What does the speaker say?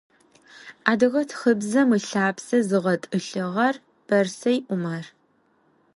Адыгэ тхыбзэм ылъапсэ зыгъэтӏылъыгъэр Бэрсэй Умар.